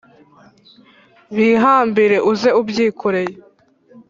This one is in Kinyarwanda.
bihambire uze ubyikoreye!